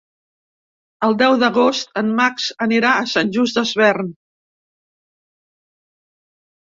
El deu d'agost en Max anirà a Sant Just Desvern.